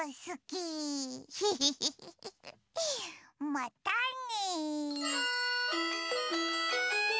またね。